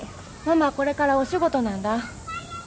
ママこれからお仕事なんだ。